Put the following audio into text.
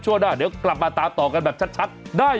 ช่วงหน้าเดี๋ยวกลับมาตามต่อกันแบบชัดได้